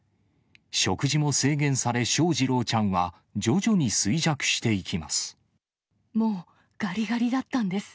食事も制限され、翔士郎ちゃんは徐々に衰弱していきます。